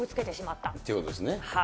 っていうことですね。